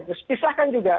harus pisahkan juga